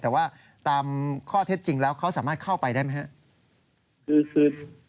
แต่ว่าตามข้อเท็จจริงแล้วเขาสามารถเข้าไปได้ไหมครับ